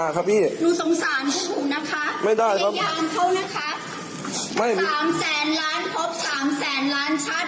ผมจะให้พิซ่าไม่ได้ครับสี่แสนล้านครบสี่แสนล้านชาติ